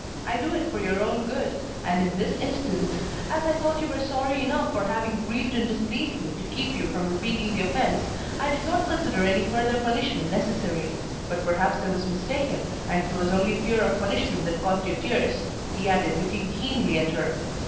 I do it for your own good and in this instance, as I thought you were sorry enough for having grieved and displeased me to keep you from repeating the offence, I did not consider any further punishment necessary. But perhaps I was mistaken, and it was only fear of punishment that caused your tears," he added, looking keenly at her.